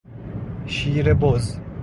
شیر بز